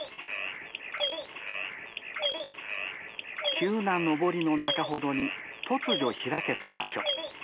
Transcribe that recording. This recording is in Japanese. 急な登りの中ほどに突如開けた場所。